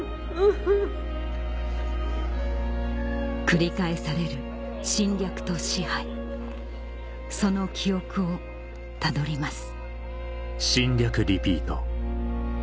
繰り返される侵略と支配その記憶をたどります